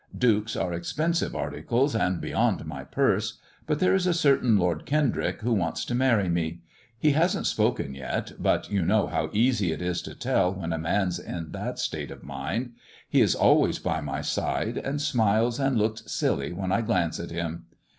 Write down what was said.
Dukes are expensive articles, and beyond my purse, but there is a certain Lord Kendrick who wants to marry me. He hasn't spoken yet, but you know how easy it is to tell when a man's in that state of mind. He is always by my side, and smiles and looks silly when I glance at him.